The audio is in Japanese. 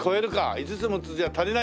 ５つ６つじゃ足りないか？